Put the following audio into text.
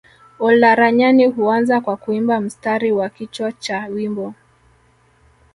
Olaranyani huanza kwa kuimba mstari wa kichwa cha wimbo